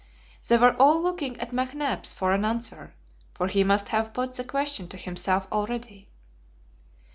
They were all looking at McNabbs for an answer, for he must have put the question to himself already.